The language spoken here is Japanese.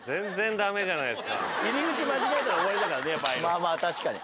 まあまあ確かに。